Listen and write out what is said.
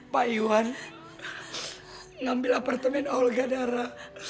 pak iwan ngambil apartemen olga dara